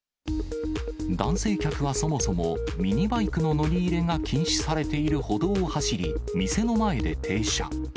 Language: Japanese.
男性客はそもそもミニバイクの乗り入れが禁止されている歩道を走り、店の前で停車。